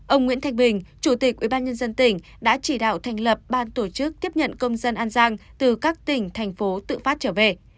ông nguyễn thanh bình chủ tịch ubnd tỉnh đã chỉ đạo thành lập ban tổ chức tiếp nhận công dân an giang từ các tỉnh thành phố tự phát trở về